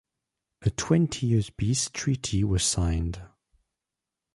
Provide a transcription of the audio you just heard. A twenty-year peace treaty was signed.